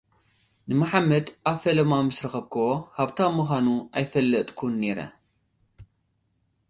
ንመሓመድ ኣብ ፈለማ ምስ ረኸብክዎ፡ ሃብታም ምዃኑ ኣይፈለጥኩን ነይረ።